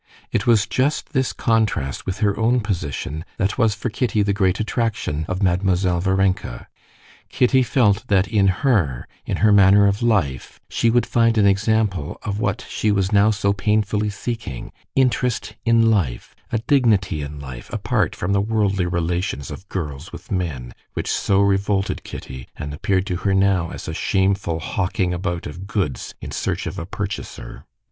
It was just this contrast with her own position that was for Kitty the great attraction of Mademoiselle Varenka. Kitty felt that in her, in her manner of life, she would find an example of what she was now so painfully seeking: interest in life, a dignity in life—apart from the worldly relations of girls with men, which so revolted Kitty, and appeared to her now as a shameful hawking about of goods in search of a purchaser.